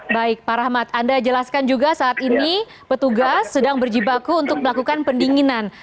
baik pak rahmat anda jelaskan juga saat ini petugas sedang berjibaku untuk melakukan pendinginan